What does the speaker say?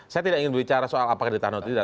saya tidak ingin bicara soal apakah ditahan atau tidak